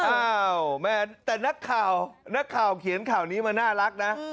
เอ้าเหรอแต่นักข่าวเขียนข่าวนี้มาน่ารักนะ